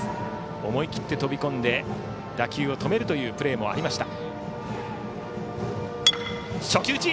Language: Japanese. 思い切って飛び込んで打球を止めるというプレーもありました。